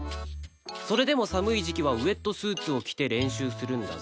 それでも寒い時期はウェットスーツを着て練習するんだぜ